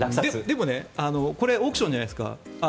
でもオークションじゃないですか。